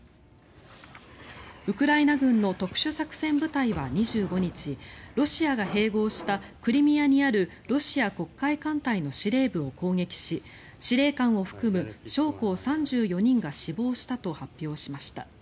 ウクライナ軍の特殊作戦部隊は２５日ロシアが併合したクリミアにあるロシア黒海艦隊の司令部を攻撃し司令官を含む将校３４人が死亡したと発表しました。